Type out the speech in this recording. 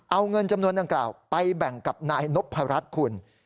เอาเงินจำนวนดังกล่าวไปแบ่งกับนายนพรัชคุณ